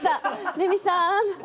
レミさーん！